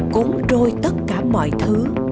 cốn rôi tất cả mọi thứ